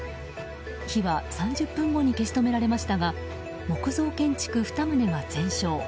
火は３０分後に消し止められましたが木造建築２棟が全焼。